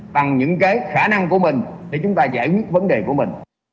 bằng những cái khả năng của mình để chúng ta giải quyết vấn đề của mình